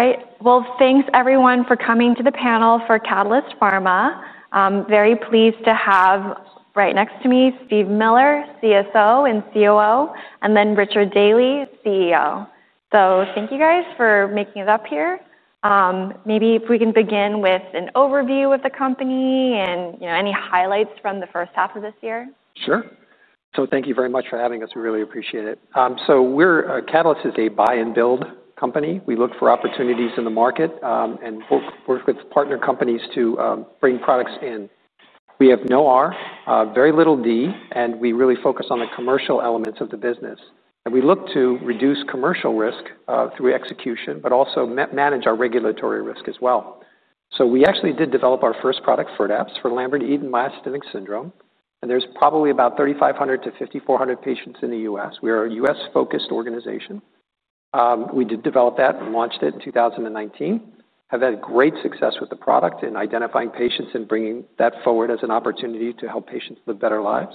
All right. Well, thanks, everyone, for coming to the panel for Catalyst Pharma. I'm very pleased to have right next to me Steve Miller, CSO and COO, and then Richard Daley, CEO. So thank you guys for making it up here. Maybe if we can begin with an overview of the company and any highlights from the first half of this year. Sure. So thank you very much for having us. We really appreciate it. So we're Catalyst is a buy and build company. We look for opportunities in the market and work with partner companies to bring products in. We have no R, very little D, and we really focus on the commercial elements of the business. And we look to reduce commercial risk through execution, but also manage our regulatory risk as well. So we actually did develop our first product Firdapse for Lambert Eaton myasthenic syndrome. And there's probably about three thousand five hundred to five thousand four hundred patients in The U. S. We are a U. S.-focused organization. We did develop that and launched it in 2019. Have had great success with the product in identifying patients and bringing that forward as an opportunity to help patients live better lives.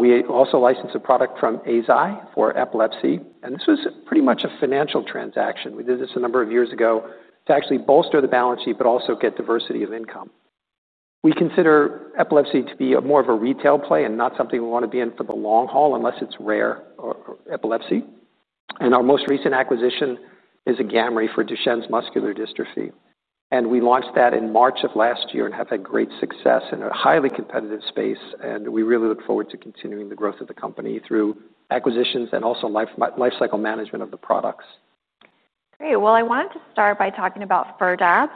We also licensed a product from Eisai for epilepsy, and this was pretty much a financial transaction. We did this a number of years ago actually bolster the balance sheet but also get diversity of income. We consider epilepsy to be more of a retail play and not something we want to be in for the long haul unless it's rare epilepsy. And our most recent acquisition is a GammaRay for Duchenne's muscular dystrophy. And we launched that in March and have had great success in a highly competitive space. And we really look forward to continuing the growth of the company through acquisitions and also lifecycle management of the products. Great. Well, wanted to start by talking about Firdapse,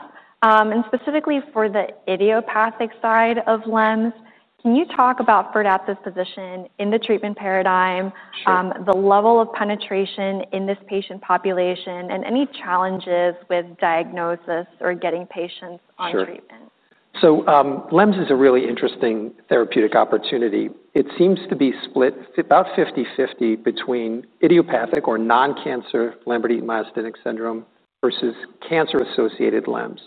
and specifically for the idiopathic side of LEMS. Can you talk about Firdapse's position in the treatment paradigm, the level of penetration in this patient population, and any challenges with diagnosis or getting patients on Sure. So LEMS is a really interesting therapeutic opportunity. It seems to be split about fiftyfifty between idiopathic or noncancer Lamberti myasthenic syndrome versus cancer associated LEMS.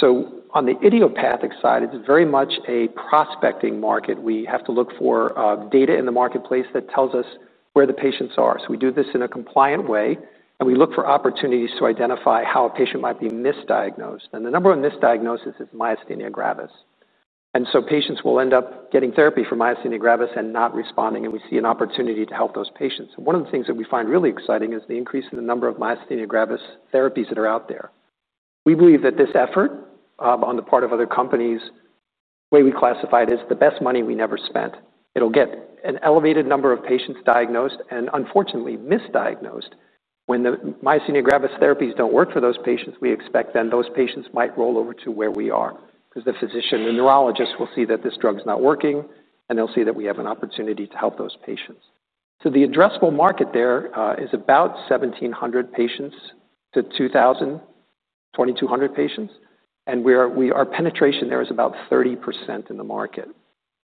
So on the idiopathic side, it's very much a prospecting market. We have to look for data in the marketplace that tells us where the patients are. So we do this in a compliant way, and we look for opportunities to identify how a patient might be misdiagnosed. And the number of misdiagnosis is myasthenia gravis. And so patients will end up getting therapy for myasthenia gravis and not responding, and we see an opportunity to help those patients. One of the things that we find really exciting is the increase in the number of myasthenia gravis therapies that are out there. We believe that this effort, on the part of other companies, way we classify it, is the best money we never spent. It will get an elevated number of patients diagnosed and unfortunately misdiagnosed. When the myasthenia gravis therapies don't work for those patients, we expect then those patients might roll over to where we are. Because the physician, the neurologist will see that this drug is not working, they'll and see that we have an opportunity to help those patients. So the addressable market there is about seventeen hundred patients to 2,002 patients. And we our penetration there is about 30% in the market.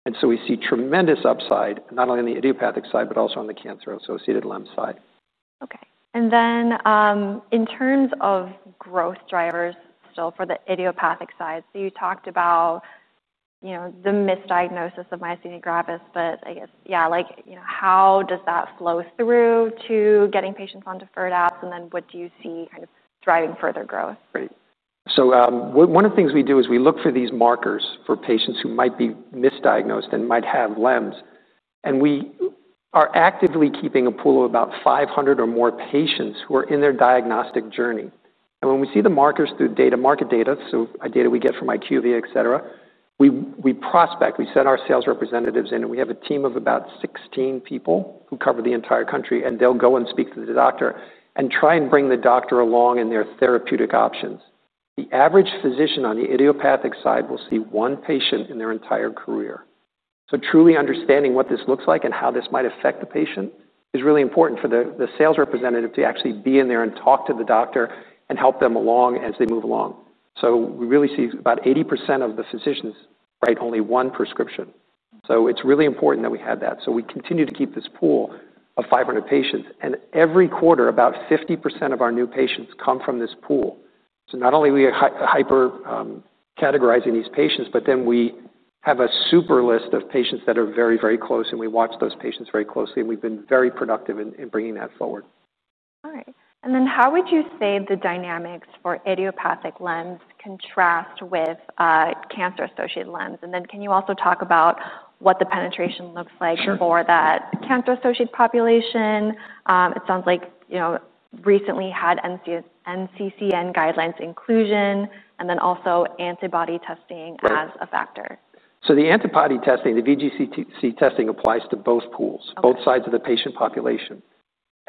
And so we see tremendous upside, not only on the idiopathic side, but also on the cancer associated LEMS side. Okay. And then in terms of growth drivers still for the idiopathic side, so you talked about the misdiagnosis of myasthenia gravis. But I guess, yeah, like how does that flow through to getting patients on deferred apps? And then what do you see driving further growth? So one of the things we do is we look for these markers for patients who might be misdiagnosed and might have LEMS. And we are actively keeping a pool of about 500 or more patients who are in their diagnostic journey. And when we see the markers through data market data, so data we get from IQVIA, etcetera, we prospect, we send our sales representatives in, and we have a team of about 16 people who cover the entire country. And they'll go and speak to the doctor and try and bring the doctor along in their therapeutic options. The average physician on the idiopathic side will see one patient in their entire career. So truly understanding what this looks like and how this might affect the patient is really important for the sales representative to actually be in there and talk to the doctor and help them along as they move along. So we really see about eighty percent of the physicians write only one prescription. So it's really important that we have that. So we continue to keep this pool of 500 patients. And every quarter, about 50% of our new patients come from this pool. So not only are we hyper categorizing these patients, but then we have a super list of patients that are very, very close. And we watch those patients very closely. And we've been very productive in bringing that forward. All right. And then how would you say the dynamics for idiopathic lens contrast with cancer associated lens? And then can you also talk about what the penetration looks like for that cancer associated population? It sounds like, you know, recently had NCCN guidelines inclusion, and then also antibody testing as So a the antibody testing, the VGCC testing applies to both pools, both sides of the patient population.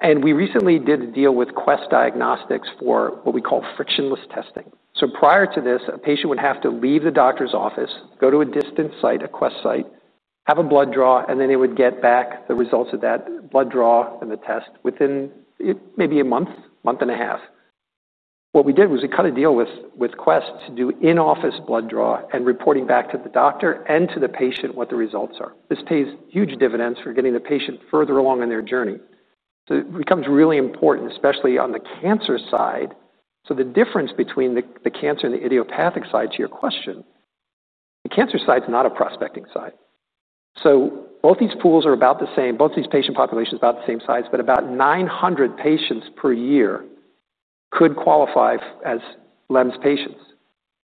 And we recently did a deal with Quest Diagnostics for what we call frictionless testing. So prior to this, a patient would have to leave the doctor's office, go to a distant site, a Quest site, have a blood draw, and then they would get back the results of that blood draw and the test within maybe a month, month and a half. What we did was we cut a deal with Quest to do in office blood draw and reporting back to the doctor and to the patient what the results are. This pays huge dividends for getting the patient further along in their journey. So it becomes really important, on the cancer side. So the difference between the cancer and the idiopathic side, to your question, the cancer side's not a prospecting side. So both these pools are about the same. Both these patient populations are about the same size, but about nine hundred patients per year could qualify as LEMS patients.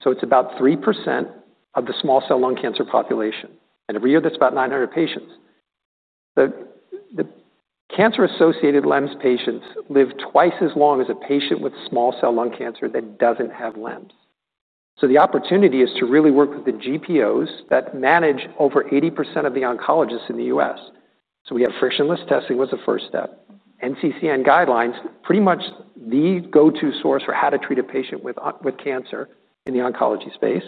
So it's about three percent of the small cell lung cancer population. And every year that's about nine hundred patients. The cancer associated LEMS patients live twice as long as a patient with small cell lung cancer that doesn't have LEMS. So the opportunity is to really work with the GPOs that manage over eighty percent of the oncologists in The U. S. So we have frictionless testing was the first step. NCCN guidelines, pretty much the go to source for how to treat a patient with cancer in the oncology space.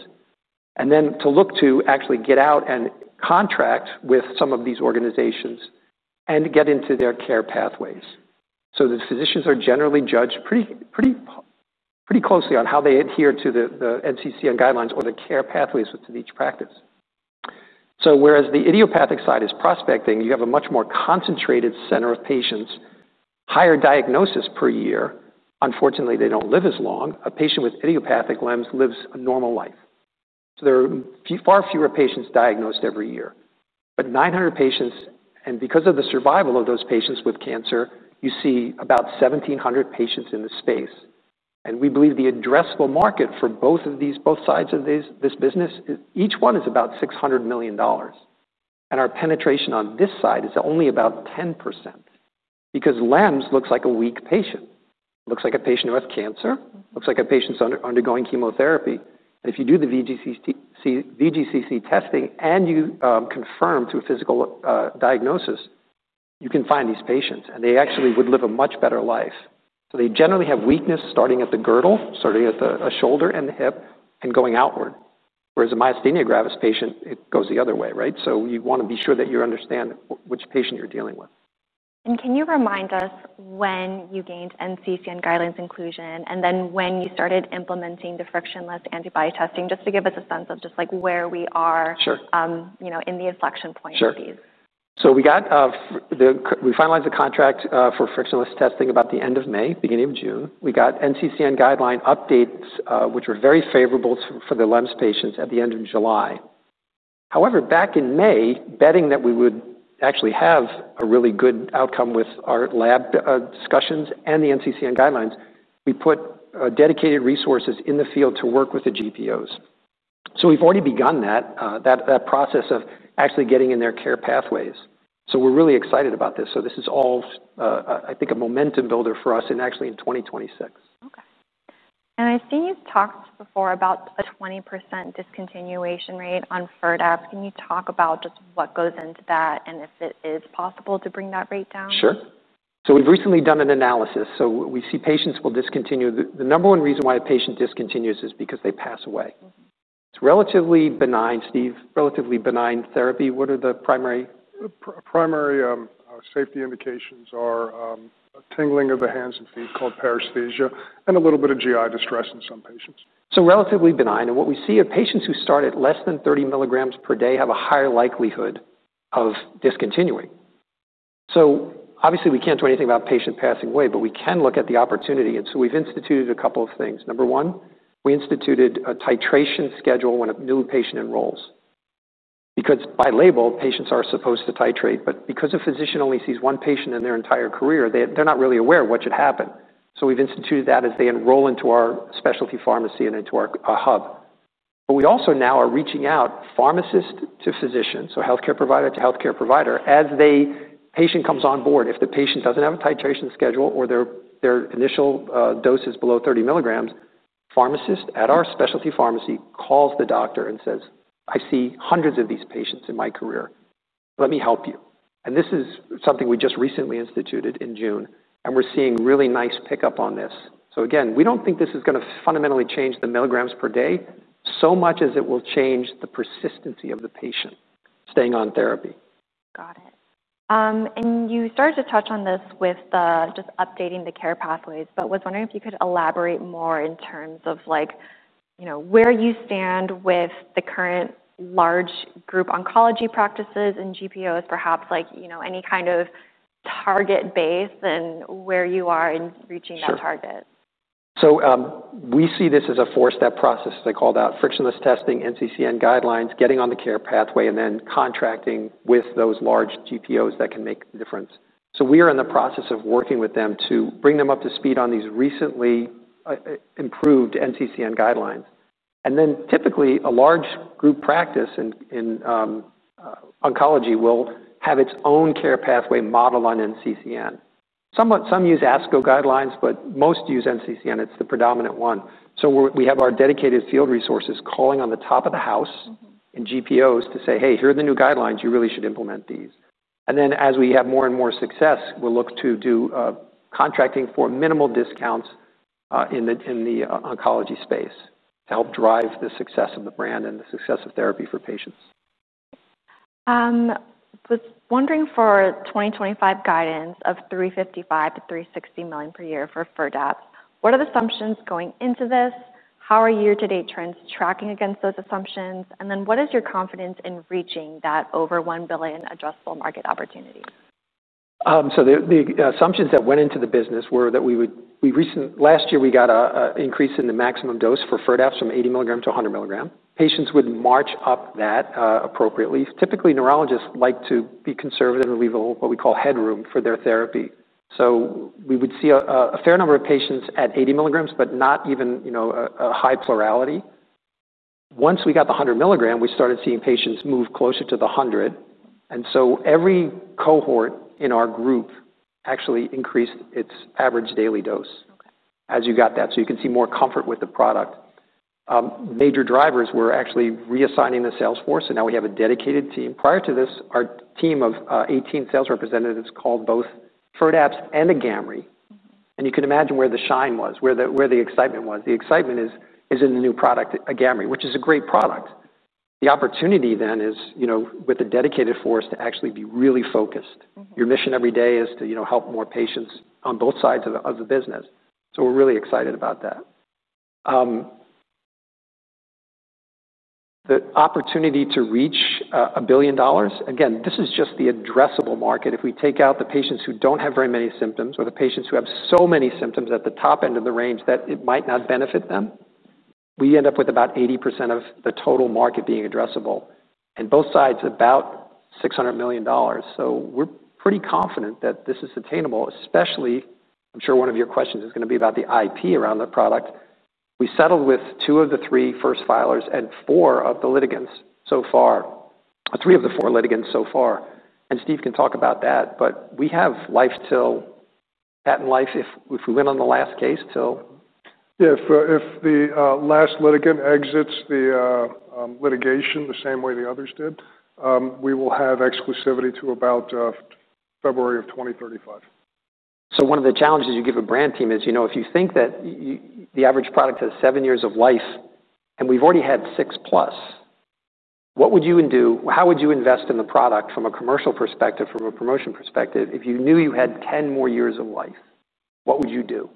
And then to look to actually get out and contract with some of these organizations and get into their care pathways. So the physicians are generally judged pretty closely on how they adhere to the NCCN guidelines or the care pathways within each practice. So whereas the idiopathic side is prospecting, you have a much more concentrated center of patients, higher diagnosis per year unfortunately, they don't live as long a patient with idiopathic LEMS lives a normal life. So there are far fewer patients diagnosed every year. But nine hundred patients and because of the survival of those patients with cancer, you see about seventeen hundred patients in this space. And we believe the addressable market for both of these both sides of this business each one is about $600,000,000 And our penetration on this side is only about ten percent, because LEMS looks like a weak patient. It looks like a patient who has cancer. Looks like a patient undergoing chemotherapy. And if you do the VGCC testing and you confirm through a physical diagnosis, you can find these patients. And they actually would live a much better life. So they generally have weakness starting at the girdle, starting at the shoulder and the hip, and going outward. Whereas a myasthenia gravis patient, it goes the other way, right? So you want to be sure that you understand which patient you're dealing with. And can you remind us when you gained NCCN guidance inclusion, and then when you started implementing the frictionless antibody testing, just to give us a sense of just like where we are in the inflection point Sure. Of So we got we finalized the contract for frictionless testing about the May, June. We got NCCN guideline updates, which were very favorable for the LEMS patients at the July. However, back in May, betting that we would actually have a really good outcome with our lab discussions and the NCCN guidelines, we put dedicated resources in the field to work with the GPOs. So we've already begun that process of actually getting in their care pathways. So we're really excited about this. So this is all, I think, a momentum builder for us in actually 2026. Okay. And I've seen you've talked before about a 20% discontinuation rate on Firdapse. Can you talk about just what goes into that and if it is possible to bring that rate down? Sure. So we've recently done an analysis. So we see patients will discontinue. The number one reason why a patient discontinues is because they pass away. It's relatively benign, Steve. Relatively benign therapy. What are the primary? Primary safety indications are tingling of the hands and feet called paresthesia, and a little bit of GI distress in some patients. So relatively benign. What we see are patients who start at less than thirty milligrams per day have a higher likelihood of discontinuing. So obviously we can't do anything about patient passing away, but we can look at the opportunity. And so we've instituted a couple of things. Number one, we instituted a titration schedule when a new patient enrolls. Because by label, patients are supposed to titrate. But because a physician only sees one patient in their entire career, they're not really aware of what should happen. So we've instituted that as they enroll into our specialty pharmacy and into our hub. But we also now are reaching out pharmacist to physician, so health care provider to health care provider, as the patient comes on board. If the patient doesn't have a titration schedule or their initial dose is below thirty milligrams, pharmacist at our specialty pharmacy calls the doctor and says, I see hundreds of these patients in my career. Let me help you. And this is something we just recently instituted in June, And we're seeing really nice pickup on this. So again, we don't think this is going to fundamentally change the milligrams per day so much as it will change the persistency of the patient staying on therapy. Got it. And you started to touch on this with just updating the care pathways. But I was wondering if you could elaborate more in terms of where you stand with the current large group oncology practices and GPOs, perhaps any kind of target base and where you are in reaching that So we see this as a four step process. They called out frictionless testing, NCCN guidelines, getting on the care pathway, and then contracting with those large GPOs that can make a difference. So we are in the process of working with them to bring them up to speed on these recently improved NCCN guidelines. And then typically, a large group practice in oncology will have its own care pathway model on NCCN. Some use ASCO guidelines, but most use NCCN. It's the predominant one. So we have our dedicated field resources calling on the top of the house in GPOs to say, hey, here are the new guidelines. You really should implement these. And then as we have more and more success, we'll look to do contracting for minimal discounts in the oncology space to help drive the success of the brand and the success of therapy for patients. I was wondering for 2025 guidance of $355,000,000 to $360,000,000 per year for Firdapse, what are the assumptions going into this? How are year to date trends tracking against those assumptions? Then what is your confidence in reaching that over $1,000,000,000 addressable market opportunity? So the assumptions that went into the business were that we would we recent last year, we got an increase in the maximum dose for Firdapse from eighty milligram to one hundred milligram. Patients would march up that appropriately. Typically neurologists like to be conservative and leave what we call headroom for their therapy. So we would see a fair number of patients at eighty milligrams, but not even a high plurality. Once we got the one hundred milligram, we started seeing patients move closer to the one hundred. And so every cohort in our group actually increased its average daily dose as you got that. So you can see more comfort with the product. Major drivers were actually reassigning the sales force, and now we have a dedicated team. Prior to this, our team of 18 sales representatives called both Firdapse and a Gamri. And you can imagine where the shine was, where excitement was. The excitement is in the new product, GammaRay, which is a great product. The opportunity then is, you know, with a dedicated force to actually be really focused. Your mission every day is to, you know, help more patients on both sides of business. So we're really excited about that. The opportunity to reach $1,000,000,000 again, this is just the addressable market. If we take out the patients who don't have very many symptoms or the patients who have so many symptoms at the top end of the range that it might not benefit them, we end up with about 80% of the total market being addressable. And both sides, about 600,000,000 So we're pretty confident that this is attainable, especially I'm sure one of your questions is going to be about the IP around the product. We settled with two of the three first filers and four of the litigants so far three of the four litigants so far. And Steve can talk about that. But we have life till patent life if we went on the last case till? Yeah. If if the last litigant exits the litigation the same way the others did, we will have exclusivity to about February 2035. So one of the challenges you give a brand team is, you know, if you think that the average product has seven years of life and we've already had six plus, what would you do how would you invest in the product from a commercial perspective, from a promotion perspective if you knew you had ten more years of life? What would you do?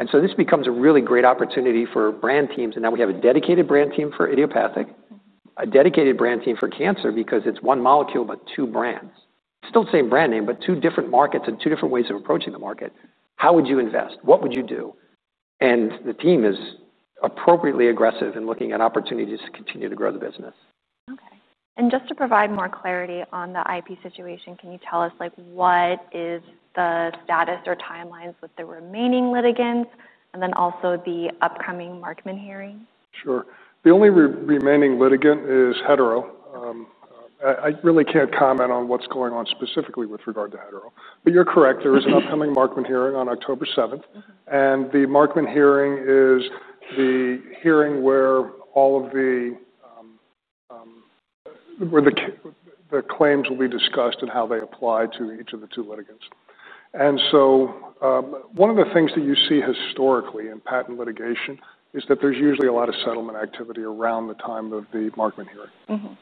And so this becomes a really great opportunity for brand teams. And now we have a dedicated brand team for idiopathic, a dedicated brand team for cancer because it's one molecule but two brands. Still the same brand name, but two different markets and two different ways of approaching the market. How would you invest? What would you do? And the team is appropriately aggressive in looking at opportunities to continue to grow the business. Okay. And just to provide more clarity on the IP situation, can you tell us like what is the status or timelines with the remaining litigants and then also the upcoming Markman hearing? Sure. The only remaining litigant is hetero. I really can't comment on what's going on specifically with regard to hetero. But you're correct. There is an upcoming Markman hearing on October 7. And the Markman hearing is the hearing where all of the where the the claims will be discussed and how they apply to each of the two litigants. And so one of the things that you see historically in patent litigation is that there's usually a lot of settlement activity around the time of the Markman hearing.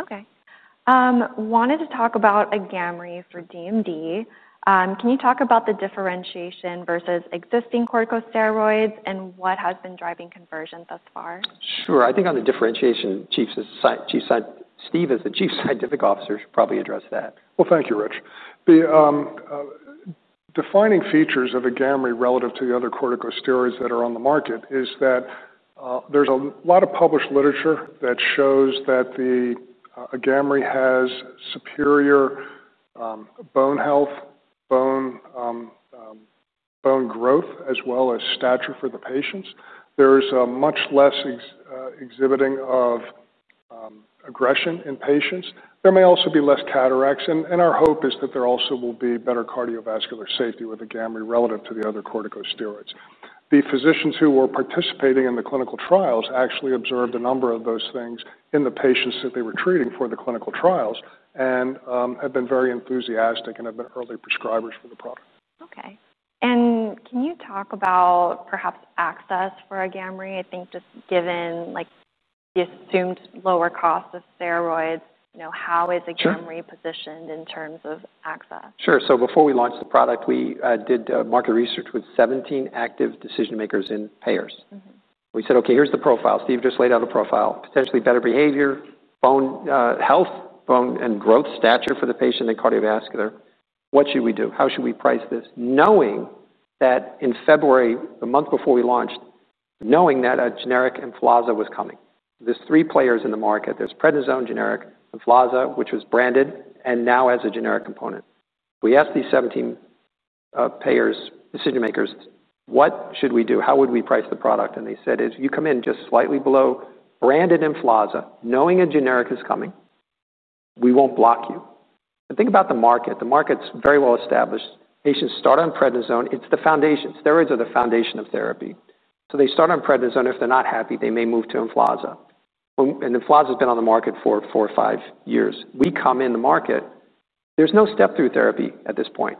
Okay. Wanted to talk about a gamma ray for DMD. Can you talk about the differentiation versus existing corticosteroids and what has been driving conversion thus far? Sure. Think on the differentiation, Steve as the chief scientific officer should probably address that. Well, thank you, Rich. The defining features of a gamma ray relative to the other corticosteroids that are on the market is that there's a lot of published literature that shows that a gamma ray has superior bone health, bone growth, as well as stature for the patients. There is much less exhibiting of aggression in patients. There may also be less cataracts. And our hope is that there also will be better cardiovascular safety with the gamma relative to the other corticosteroids. The physicians who were participating in the clinical trials actually observed a number of those things in the patients that they were treating for the clinical trials and have been very enthusiastic and have been early prescribers for the product. Okay. And can you talk about perhaps access for a gamma ray? I think just given, like, the assumed lower cost of steroids, how is the gamma ray positioned in terms Sure. So before we launched the product, we did market research with 17 active decision makers and payers. We said, okay, here's the profile. Steve just laid out a profile. Potentially better behavior, bone health, bone and growth stature for the patient in cardiovascular. What should we do? How should we price this? Knowing that in February, the month before we launched, knowing that a generic Emflaza was coming. There's three players in the market. There's prednisone generic Emflaza, which was branded and now has a generic component. We asked these 17 payers, decision makers, what should we do? How would we price the product? And they said, if you come in just slightly below branded Emflaza, knowing a generic is coming, we won't block you. And think about the market. The market's very well established. Patients start on prednisone. It's the foundation. Steroids are the foundation of therapy. So they start on prednisone. If they're not happy, they may move to Emflaza. And Emflaza has been on the market for four or five years. We come in the market. There's no step through therapy at this point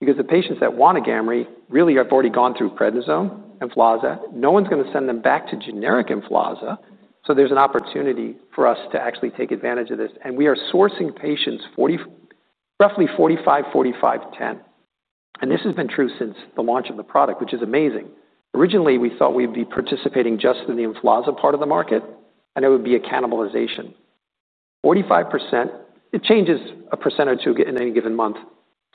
because the patients that want a gamma ray really have already gone through prednisone, Emflaza. No one's gonna send them back to generic Emflaza, so there's an opportunity for us to actually take advantage of this. And we are sourcing patients roughly 45, 45, 10. And this has been true since the launch of the product, which is amazing. Originally, we thought we'd be participating just in the Emflaza part of the market, and it would be a cannibalization. Forty five percent it changes a percent or two in any given month.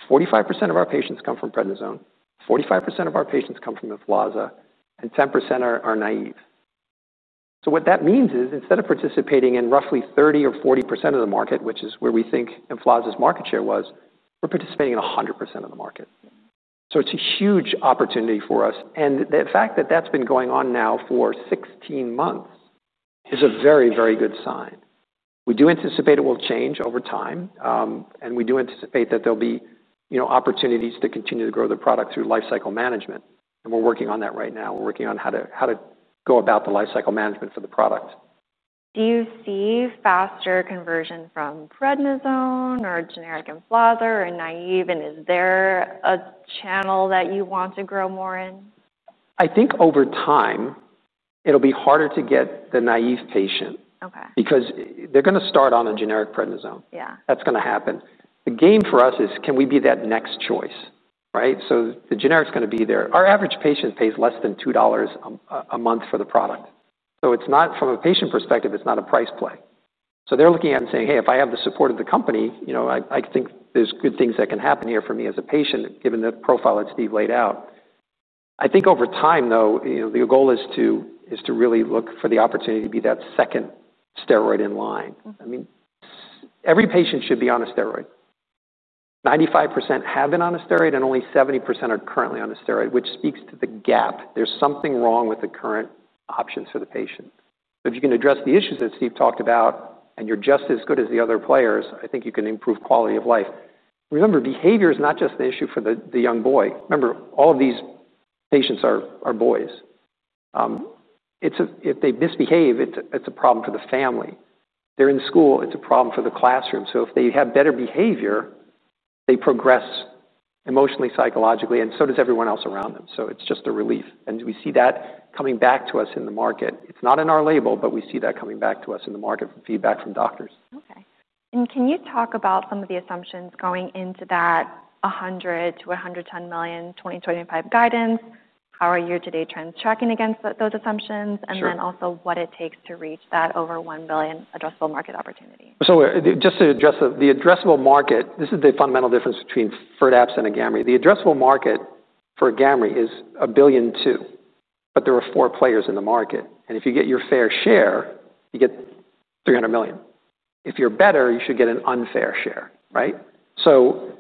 Forty five percent of our patients come from prednisone, forty five percent of our patients come from Emflaza, and ten percent are naive. What that means is instead of participating in roughly 30% or 40% of the market, which is where we think Emflaza's market share was, we're participating in 100% of the market. So it's a huge opportunity for us. And the fact that that's been going on now for sixteen months is a very, very good sign. We do anticipate it will change over time. And we do anticipate that there'll be opportunities to continue to grow the product through life cycle management. And we're working on that right now. We're working on how to go about the life cycle management for the product. Do you see faster conversion from prednisone or generic Emflaza or naive? And is there a channel that you want to grow more in? I think over time, it'll be harder to get the naive patient. Okay. Because they're gonna start on a generic prednisone. Yeah. That's gonna happen. The game for us is can we be that next choice? Right? So the generic's gonna be there. Our average patient pays less than $2 a month for the product. So it's not from a patient perspective, it's not a price play. So they're looking at and saying, Hey, if I have the support of the company, I think there's good things that can happen here for me as a patient, given the profile that Steve laid out. I think over time, though, the goal to really look for the opportunity to be that second steroid in line. I mean, every patient should be on a steroid. Ninety five percent have been on a steroid and only seventy percent are currently on a steroid, which speaks to the gap. There's something wrong with the current options for the patient. If you can address the issues that Steve talked about, and you're just as good as the other players, I think you can improve quality of life. Remember, behavior is not just an issue for the young boy. Remember, all of these patients are boys. It's a if they misbehave, it's a problem for the family. They're in school. It's a problem for the classroom. So if they have better behavior, they progress emotionally, psychologically, and so does everyone else around them. So it's just a relief. And we see that coming back to us in the market. It's not in our label, but we see that coming back to us in the market from feedback from doctors. Okay. And can you talk about some of the assumptions going into that 100,000,000 to $110,000,000.20 25 guidance? How are year to date trends tracking against those assumptions? And then also what it takes to reach that over $1,000,000,000 addressable market opportunity? So just to address the addressable market this is the fundamental difference between Firdapse and a GammaRia. The addressable market for GammaRay is a billion 2. But there are four players in the market. And if you get your fair share, you get 300,000,000. If you're better, you should get an unfair share. Right? So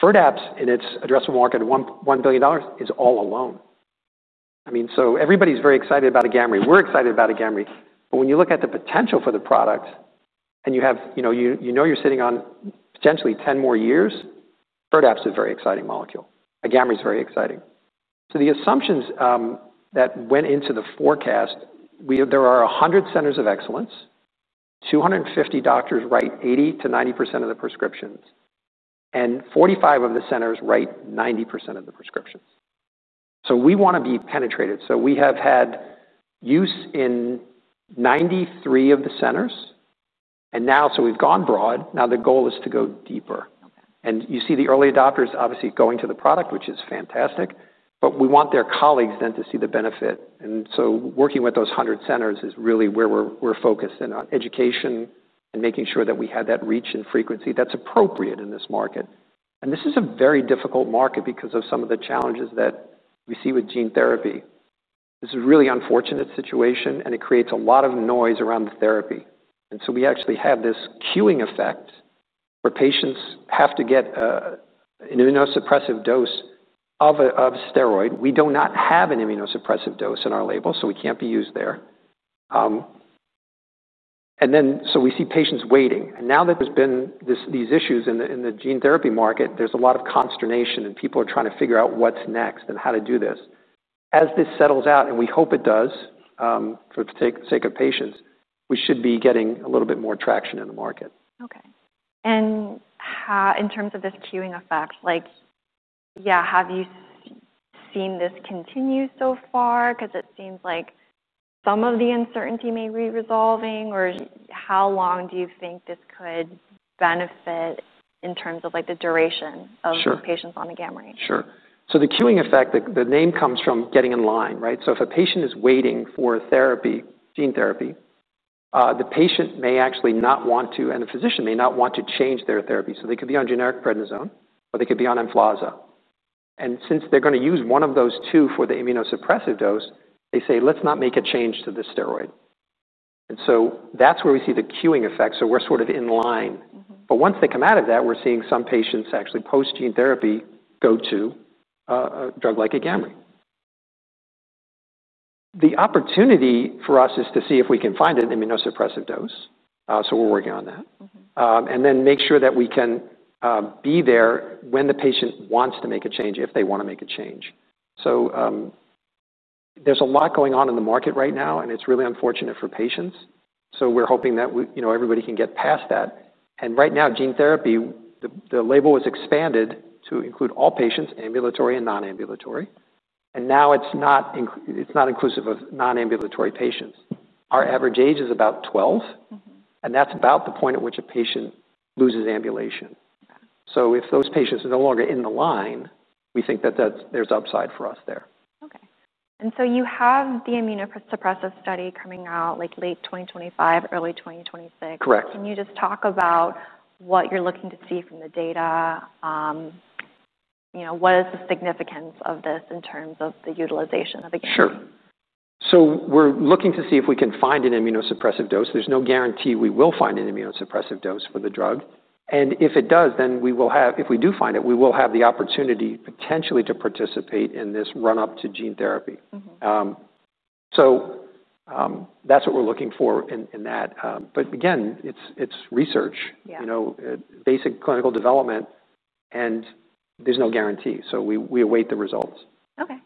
Firdapse in its addressable market of $1,000,000,000 is all alone. I mean, so everybody's very excited about a gamma ray. We're excited about a gamma ray. But when you look at the potential for the product and you have you know you're sitting on potentially ten more years, Firdapse is very exciting molecule. Gamma is very exciting. So the assumptions that went into the forecast, we there are 100 centers of excellence, two fifty doctors write 80 to 90% of the prescriptions, And 45 of the centers write 90% of the prescriptions. So we want to be penetrated. So we have had use in ninety three of the centers. And now so we've gone broad. Now the goal is to go deeper. And you see the early adopters obviously going to the product, which is fantastic. But we want their colleagues then to see the benefit. And so working with those 100 centers is really where we're focused in on education and making sure that we have that reach and frequency that's appropriate in this market. And this is a very difficult market because of some of the challenges that we see with gene therapy. This is a really unfortunate situation and it creates a lot of noise around the therapy. And so we actually have this queuing effect where patients have to get an immunosuppressive dose of steroid. We do not have an immunosuppressive dose in our label, we can't be used there. And then so we see patients waiting. Now that there's been these issues in gene therapy market, there's a lot of consternation, and people are trying to figure out what's next and how to do this. As this settles out, and we hope it does for the sake of patients, we should be getting a little bit more traction in the market. Okay. And in terms of this queuing effect, like, yeah, have you seen this continue so far? Because it seems like some of the uncertainty may be resolving. Or how long do you think this could benefit in terms of like the duration of patients on the gamma ray? Sure. So the queuing effect, the name comes from getting in line, right? So if a patient is waiting for therapy, gene therapy, the patient may actually not want to, and the physician may not want to change their therapy. So they could be on generic prednisone, or they could be on Emflaza. And since they're going to use one of those two for the immunosuppressive dose, they say let's not make a change to the steroid. And so that's where we see the queuing effect. So we're sort of in line. But once they come out of that, we're seeing some patients actually post gene therapy go to drug like a gamma ray. The opportunity for us is to see if we can find an immunosuppressive dose. So we're working on that. And then make sure that we can be there when the patient wants to make a change, if they want to make a change. So there's a lot going on in the market right now, and it's really unfortunate for patients. So we're hoping that we you know, everybody can get past that. And right now, gene therapy, the label was expanded to include all patients, ambulatory and non ambulatory. And now it's not inclusive of non ambulatory patients. Our average age is about 12. And that's about the point at which a patient loses ambulation. So if those patients are no longer in the line, we think that there's upside for us there. Okay. And so you have the immunosuppressive study coming out like late twenty twenty five, early twenty twenty six. Correct. Can you just talk about what you're looking to see from the data? You know, what is the significance of this in terms of the utilization of the gene? Sure. So we're looking to see if we can find an immunosuppressive dose. There's no guarantee we will find an immunosuppressive dose for the drug. And if it does, then we will have if we do find it, we will have the opportunity potentially to participate in this run up to gene therapy. So that's what we're looking for in that. But again, it's research, you know, basic clinical development, and there's no guarantee. So we await the results. Okay.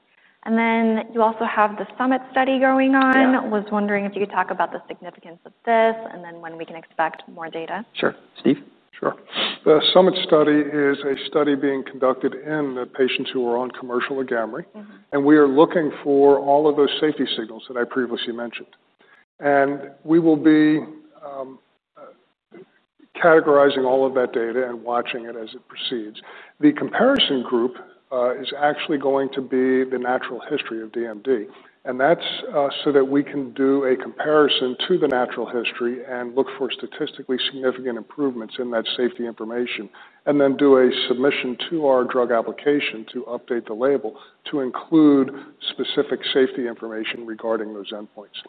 And then you also have the SUMMIT study going on. I was wondering if you could talk about the significance of this, and then when we can expect more data. Sure. Steve? Sure. The SUMMIT study is a study being conducted in patients who are on commercial or gamma ray. And we are looking for all of those safety signals that I previously mentioned. And we will be categorizing all of that data and watching it as it proceeds. The comparison group is actually going to be the natural history of DMD. And that's so that we can do a comparison to the natural history and look for statistically significant improvements in that safety information and then do a submission to our drug application to update the label to include specific safety information regarding those endpoints.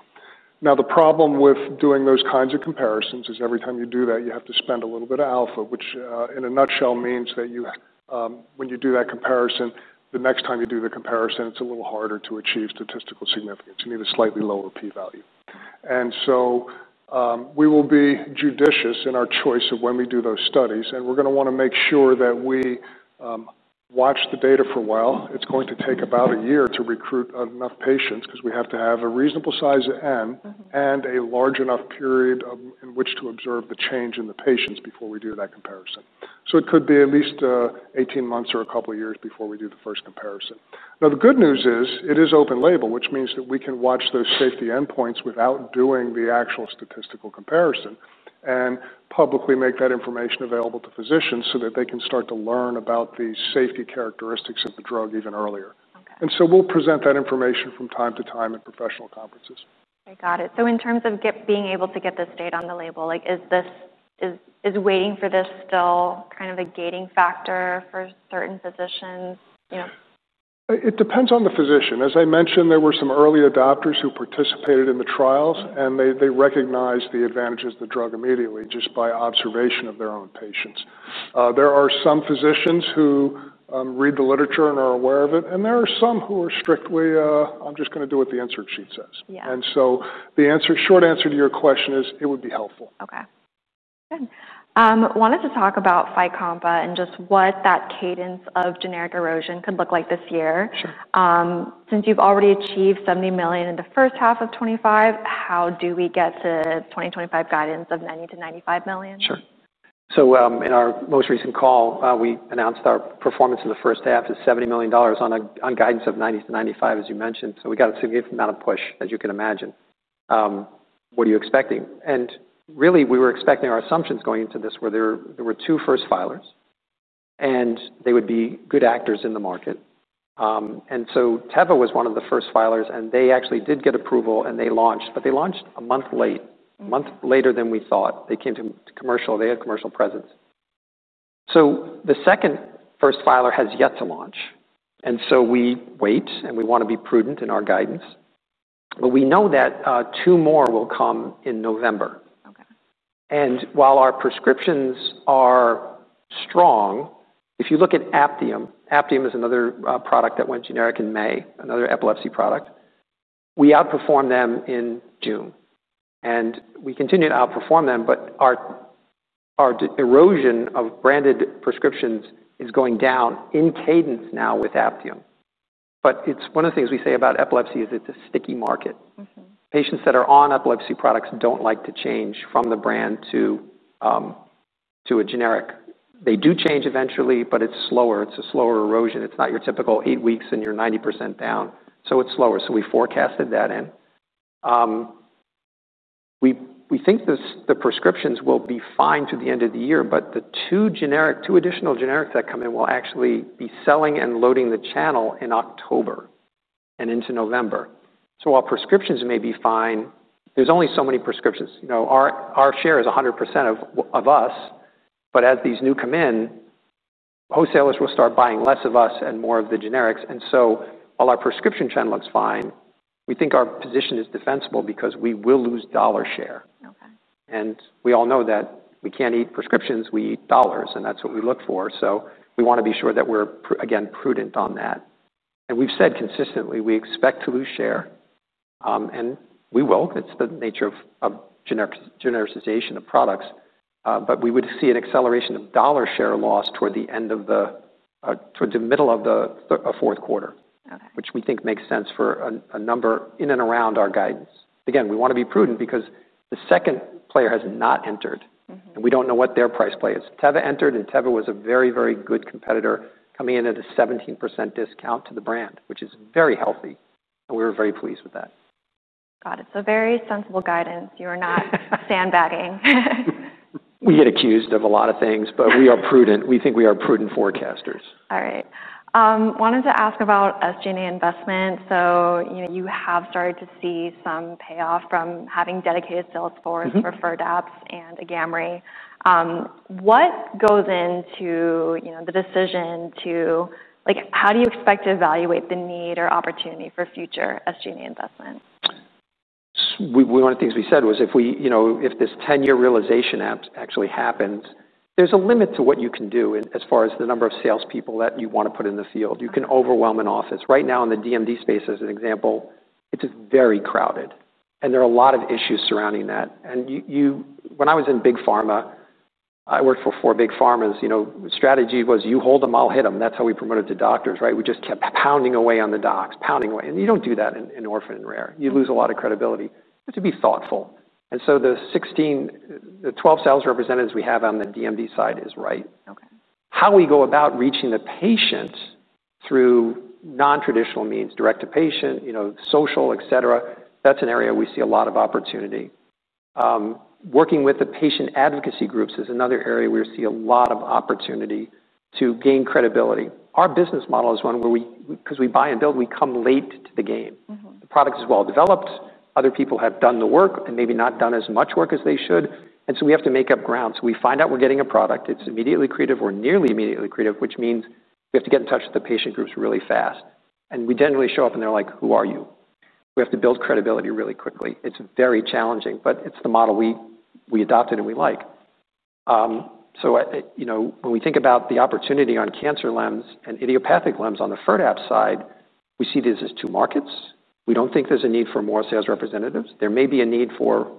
Now the problem with doing those kinds of comparisons is every time you do that, you have to spend a little bit of alpha, which in a nutshell means that when you do that comparison, the next time you do the comparison, it's a little harder to achieve statistical significance. You need a slightly lower p value. And so we will be judicious in our choice of when we do those studies. And we're going to want to make sure that we watch the data for a while. It's going to take about a year to recruit enough patients because we have to have a reasonable size n and a large enough period in which to observe the change in the patients before we do that comparison. So it could be at least eighteen months or a couple years before we do the first comparison. Now the good news is it is open label, which means that we can watch those safety endpoints without doing the actual statistical comparison and publicly make that information available to physicians so that they can start to learn about the safety characteristics of the drug even earlier. And so we'll present that information from time to time at professional conferences. Okay. Got it. So in terms of being able to get this data on the label, like is waiting for this still kind of a gating factor for certain physicians? It depends on the physician. As I mentioned, there were some early adopters who participated in the trials, and they recognized the advantages of the drug immediately just by observation of their own patients. There are some physicians who read the literature and are aware of it, and there are some who are strictly I'm just going to do what the answer sheet says. And so the short answer to your question is it would be helpful. Okay. Good. I wanted to talk about Fycompa and just what that cadence of generic erosion could look like this year. Since you've already achieved 70,000,000 in the '5, how do we get to 2025 guidance of 90,000,000 to $95,000,000 Sure. So in our most recent call, we announced our performance in the first half is $70,000,000 on guidance of 90,000,000 to 95,000,000 as you mentioned. So we got a significant amount of push, as you can imagine. What are you expecting? And really, we were expecting our assumptions going into this were there were two first filers, and they would be good actors in the market. And so Teva was one of the first filers, and they actually did get approval, and they launched. But they launched a month late, month later than we thought. They came to commercial. They had commercial presence. So the second first filer has yet to launch. And so we wait, and we want to be prudent in our guidance. But we know that two more will come in November. Okay. And while our prescriptions are strong, if you look at Aptium, Aptium is another product that went generic in May, another epilepsy product. We outperformed them in June. And we continue to outperform them, but our erosion of branded prescriptions is going down in cadence now with Aptivum. But it's one of the things we say about epilepsy is it's a sticky market. Patients that are on epilepsy products don't like to change from the brand to a generic. They do change eventually, but it's slower. It's a slower erosion. It's not your typical eight weeks and you're 90% down. So it's slower. So we forecasted that in. We think the prescriptions will be fine to the end of the year, but the two generic two additional generics that come in will actually be selling and loading the channel in October and into November. So while prescriptions may be fine, there's only so many prescriptions. Our share is 100% of us. But as these new come in, wholesalers will start buying less of us and more of the generics. And so while our prescription channel looks fine, we think our position is defensible because we will lose dollar share. And we all know that we can't eat prescriptions, we eat dollars. And that's what we look for. So we want to be sure that we're, again, prudent on that. And we've said consistently we expect to lose share, and we will. It's the nature of genericization of products. But we would see an acceleration of dollar share loss toward the end of the towards the middle of the fourth quarter, which we think makes sense for a number in and around our guidance. Again, we want to be prudent because the second player has not entered, and we don't know what their price play is. Teva entered, and Teva was a very, very good competitor coming in at a 17% discount to the brand, which is very healthy. And we were very pleased with that. Got it. So very sensible guidance. You are not sandbagging. We get accused of a lot of things, but we are prudent. We think we are prudent forecasters. All right. Wanted to ask about SG and A investment. So you have started to see some payoff from having dedicated sales force, preferred apps and a GammaRay. What goes into the decision to like how do you expect to evaluate the need or opportunity for future SG and A investments? One of things we said was if this ten year realization actually happens, there's a limit to what you can do as far as the number of sales people that you want to put in the field. You can overwhelm an office. Right now in the DMD space, as an example, it's just very crowded. And there are a lot of issues surrounding that. And you when I was in big pharma I worked for four big pharmas. The strategy was you hold them, I'll hit them. That's how we promoted to doctors. Right? We just kept pounding away on the docs, pounding away. And you don't do that in in orphan rare. You lose a lot of credibility. You have to be thoughtful. And so the 16 the 12 sales representatives we have on the DMD side is right. Okay. How we go about reaching the patient through nontraditional means, direct to patient, you know, social, etcetera, that's an area we see a lot of opportunity. Working with the patient advocacy groups is another area where we see a lot of opportunity to gain credibility. Our business model is one where we because we buy and build, we come late to the game. The product is well developed. Other people have done the work and maybe not done as much work as they should. And so we have to make up ground. So we find out we're getting a product. It's immediately accretive or nearly immediately accretive, which means we have to get in touch with the patient groups really fast. And we generally show up and they're like, who are you? We have to build credibility really quickly. It's very challenging. But it's the model we adopted and we like. So when we think about the opportunity on cancer LEMS and idiopathic LEMS on the Firdapse side, we see this as two markets. We don't think there's a need for more sales representatives. There may be a need for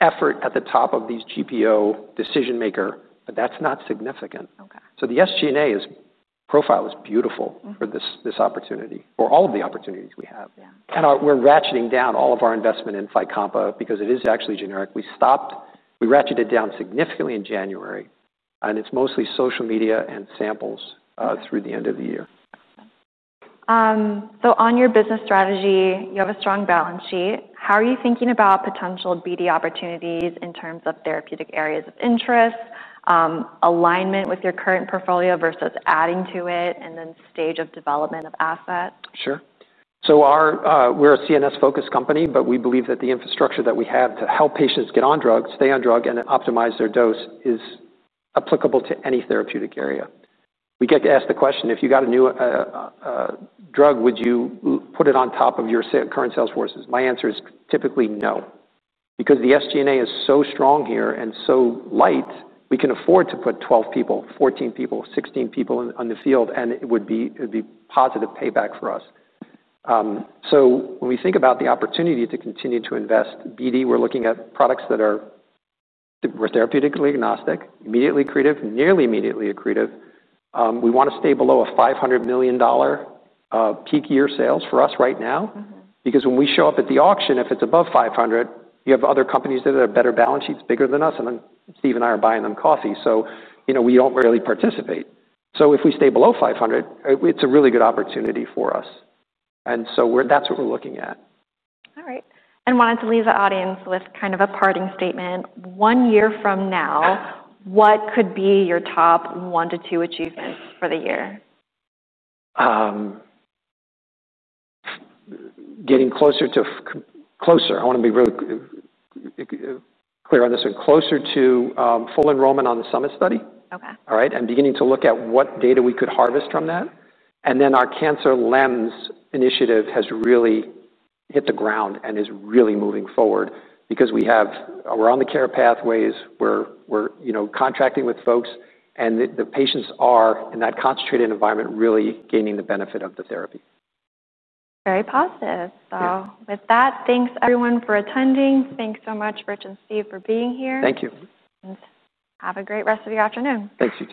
effort at the top of these GPO decision maker, but that's not significant. Okay. So the SG and A profile is beautiful for this this opportunity, for all of the opportunities we have. Yeah. And we're ratcheting down all of our investment in Fycompa because it is actually generic. We stopped we ratcheted down significantly in January, And it's mostly social media and samples through the end of the year. So on your business strategy, you have a strong balance sheet. How are you thinking about potential BD opportunities in terms of therapeutic areas of interest, alignment with your current portfolio versus adding to it, and then stage of development of assets? Sure. So our we're a CNS focused company, but we believe that the infrastructure that we have to help patients get on drug, stay on drug, and optimize their dose is applicable to any therapeutic area. We get to ask the question, if you got a new drug, would you put it on top of your current sales forces? My answer is typically no. Because the SG and A is so strong here and so light, we can afford to put 12 people, 14 people, 16 people on the field, and it would be positive payback for us. So when we think about the opportunity to continue to invest BD, we're looking at products that are we're therapeutically agnostic, immediately accretive, nearly immediately accretive. We want to stay below a $500,000,000 peak year sales for us right now. Because when we show up at the auction, if it's above 500, you have other companies that have better balance sheets bigger than us, and then Steve and I are buying them coffee. So we don't really participate. So if we stay below $500 it's a really good opportunity for us. And so we're that's what we're looking at. All right. And wanted to leave the audience with kind of a parting statement. One year from now, what could be your top one to two achievements for the year? Getting closer to closer. I want to be real clear on this. Closer to full enrollment on the SUMMIT study. Okay. All right? And beginning to look at what data we could harvest from that. And then our cancer LEMS initiative has really hit the ground and is really moving forward. Because we have we're on the care pathways. We're contracting with folks. And the patients are, in that concentrated environment, really gaining the benefit of the therapy. Very positive. So with that, thanks everyone for attending. Thanks so much Rich and Steve for being here. Thank you. Have a great rest of your afternoon. Thanks. You too.